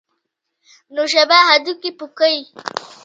نوشابه هډوکي پوکوي